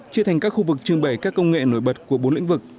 chia thành các khu vực trưng bày các công nghệ nổi bật của bốn lĩnh vực